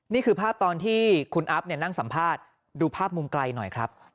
นี่คือภาพตอนที่คุณอัพนั่งสัมภาษณ์ดูภาพมุมไกลหน่อยครับ